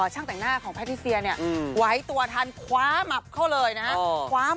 ช่างแต่งหน้าของพระธิเสียนไว้ตัวทันคว้าหมับเข้าเลยนะคะ